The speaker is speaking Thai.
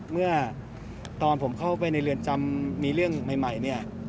เมื่อตอนผมเข้าไปในเรือนจำมีเรื่องใหม่เนี่ย